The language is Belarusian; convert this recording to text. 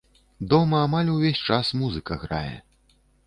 Дома амаль увесь час музыка грае.